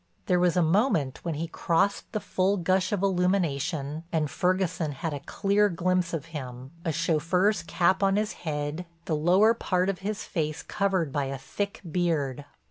There was a moment when he crossed the full gush of illumination and Ferguson had a clear glimpse of him, a chauffeur's cap on his head, the lower part of his face covered by a thick beard.